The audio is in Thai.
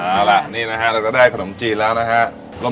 เอาล่ะนี่นะฮะเราก็ได้ขนมจีนแล้วนะฮะ